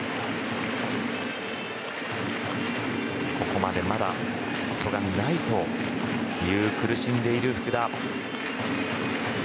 ここまでまだヒットがないという苦しんでいる福田。